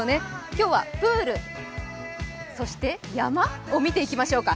今日はプール、そして、山を見ていきましょうか。